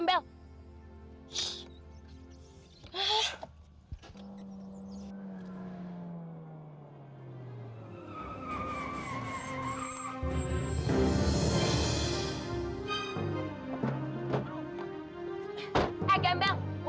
engil berbising rambut ini